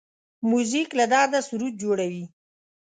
موزیک له درده سرود جوړوي.